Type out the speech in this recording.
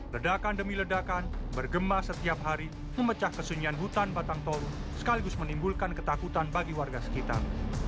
ledakan demi ledakan bergema setiap hari memecah kesunyian hutan batang toru sekaligus menimbulkan ketakutan bagi warga sekitar